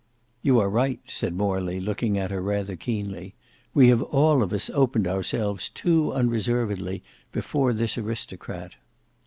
"You are right," said Morley, looking at her rather keenly. "We have all of us opened ourselves too unreservedly before this aristocrat."